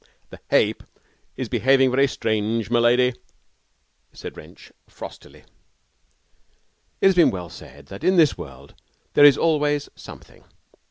'The hape is behaving very strange, m'lady,' said Wrench, frostily. It has been well said that in this world there is always something.